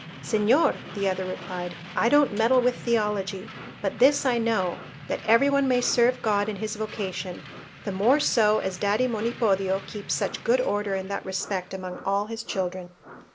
"Señor," the other replied, "I don't meddle with theology; but this I know, that every one may serve God in his vocation, the more so as daddy Monipodio keeps such good order in that respect among all his children."